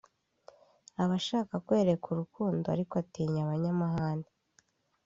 aba ashaka kwerekwa urukundo kandi atinya abanyamahane